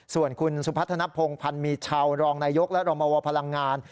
ส่วนคุณสุพัฒนภงพันธ์มีชาวรองนายกและรมวพลังงาน